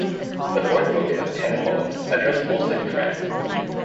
The fourth book has ten poems addressed mostly to friends.